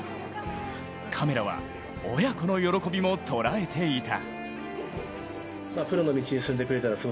カメラは親子の喜びもとらえていた。